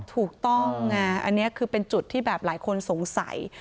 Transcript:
ถูกต้องไงอันนี้คือเป็นจุดที่แบบหลายคนสงสัย